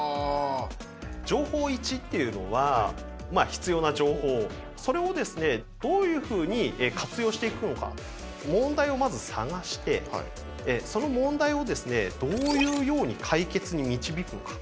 「情報Ⅰ」っていうのはまあ必要な情報それをですねどういうふうに活用していくのか問題をまず探してその問題をですねどういうように解決に導くのか。